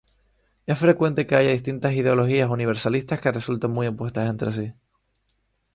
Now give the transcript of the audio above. Es frecuente que haya distintas ideologías universalistas que resulten muy opuestas entre sí.